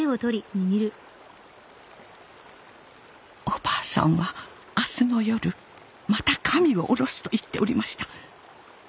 お婆さんは明日の夜また神を降ろすと言っておりました。